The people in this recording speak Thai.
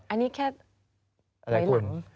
อันนี้แค่ไข่หลัง